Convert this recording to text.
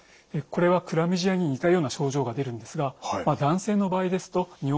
これはクラミジアに似たような症状が出るんですが男性の場合ですと尿道炎の症状。